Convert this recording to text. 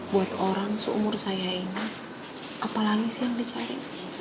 buat orang seumur saya ini apalagi sih yang dicari